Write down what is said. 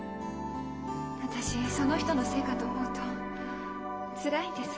私その人のせいかと思うとつらいんです。